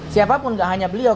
siapapun gak hanya beliau